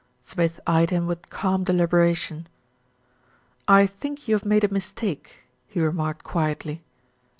Smith eyed him with calm deliberation. "I think you have made a mistake," he remarked quietly.